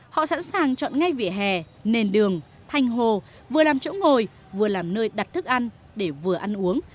họ sẵn sàng chọn ngay vỉa hè nền đường thanh hồ vừa làm chỗ ngồi vừa làm nơi đặt thức ăn để vừa ăn uống